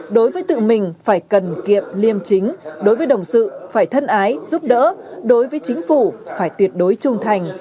đối với tự mình phải cần kiệm liêm chính đối với đồng sự phải thân ái giúp đỡ đối với chính phủ phải tuyệt đối trung thành